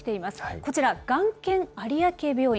こちら、がん研有明病院。